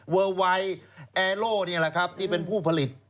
เวอร์ไวแอโลที่เป็นผู้ผลิต